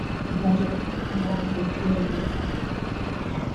Mbanje kukwihanganisha mubyeyi mwiza